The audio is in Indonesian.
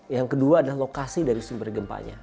yang kedua adalah lokasi dari sumber gempanya